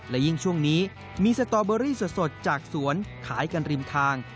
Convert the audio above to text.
และยิ่งช่วงนี้มีสตอเบอรี่สดจากสวนขายกันริมทาง